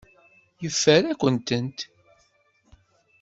Yeffer-akent-tent.